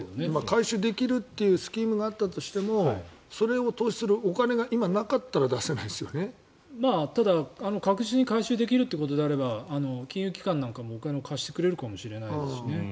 回収できるというスキームがあったとしてもそれを投資するお金がただ確実に回収できるということであれば金融機関なんかもお金を貸してくれるかもしれないですし。